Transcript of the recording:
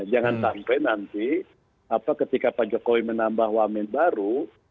jangan sampai nanti ketika pak jokowi menambah wamen baru